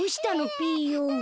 ピーヨン。